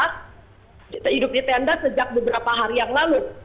hidup di tenda sejak beberapa hari yang lalu